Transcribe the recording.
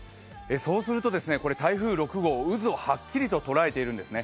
そうすると台風６号、渦をはっきりと捉えているんですね。